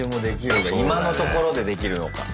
今のところでできるのか。